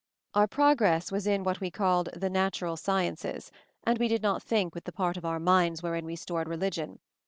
Our progress was in what we called 'The natural sciences'; and we did not think with the part of our minds wherein we stored religion.